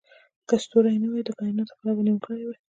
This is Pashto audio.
که ستوري نه وای، د کایناتو ښکلا به نیمګړې وای.